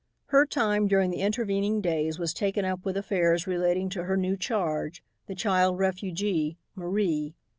Her time during the intervening days was taken up with affairs relating to her new charge, the child refugee, Marie.